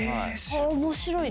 面白い。